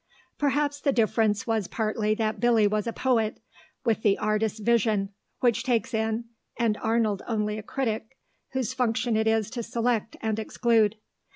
Perhaps the difference was partly that Billy was a poet, with the artist's vision, which takes in, and Arnold only a critic, whose function it is to select and exclude.